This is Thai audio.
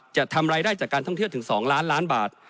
จะทำรายได้จากการท่องเที่ยวถึง๒ล้านล้านบาท